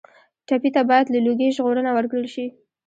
ټپي ته باید له لوږې ژغورنه ورکړل شي.